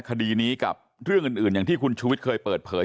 คดีนี้กับเรื่องอื่นอย่างที่คุณชูวิทย์เคยเปิดเผย